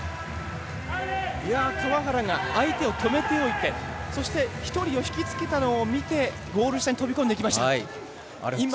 川原が相手を止めておいて１人をひきつけておいたのを見てゴール下に飛び込んでいきました。